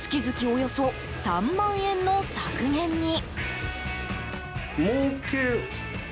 およそ３万円の削減に。